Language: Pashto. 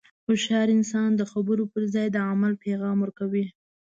هوښیار انسان د خبرو پر ځای د عمل پیغام ورکوي.